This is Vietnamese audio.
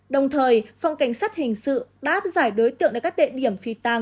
đồng thời phòng cảnh sát hình sự đã áp giải đối tượng đến các địa điểm phi tang